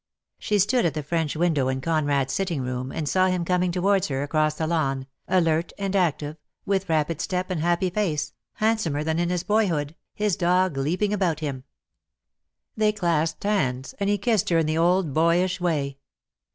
She stood at the French window in Conrad's sitting room and saw him coming towards her DEAD LOVE HAS CHAINS. ^"J across the lawn, alert and active, with rapid step and happy face, handsomer than in his boyhood, his dog leaping about him. They clasped hands, and he kissed her in the old boyish way.